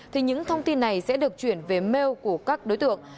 thì những thông tin này sẽ được chuyển về mail của các đối tượng